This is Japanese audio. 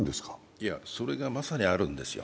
いや、それがまさにあるんですよ。